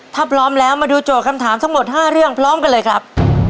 ถ้าพร้อมแล้วมาดูโจทย์คำถามทั้งหมด๕เรื่องพร้อมกันเลยครับ